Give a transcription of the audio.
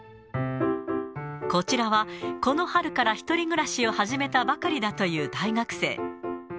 こちらは、この春から１人暮らしを始めたばかりだという大学生。